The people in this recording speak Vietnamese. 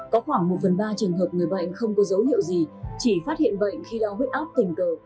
có khoảng một phần ba trường hợp người bệnh không có dấu hiệu gì chỉ phát hiện bệnh khi đo huyết áp tình cờ